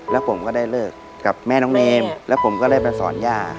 แล้วผมก็ได้เลิกกับแม่น้องเนมแล้วผมก็เลยไปสอนย่า